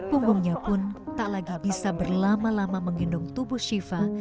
punggungnya pun tak lagi bisa berlama lama menggendong tubuh shiva